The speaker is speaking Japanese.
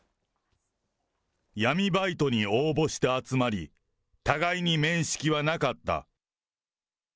闇バイトに応募して集まり、互いに面識はなかった。